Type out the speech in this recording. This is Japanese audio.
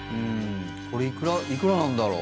これ、いくらなんだろう。